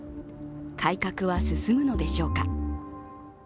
改革は進むのでしょうか。